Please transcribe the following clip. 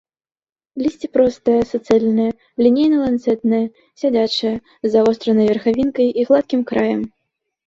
Лісце простае, суцэльнае, лінейна-ланцэтнае, сядзячае, з завостранай верхавінкай і гладкім краем.